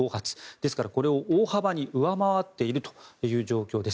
ですから、これを大幅に上回っているという状況です。